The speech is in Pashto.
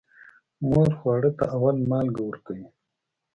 مور خواره ته اول مالګه ورکوي.